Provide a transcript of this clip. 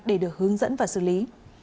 để được hướng dẫn và xử lý